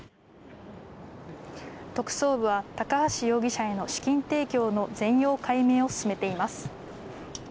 特捜部は、高橋容疑者への資金提供の全容解明を進めています。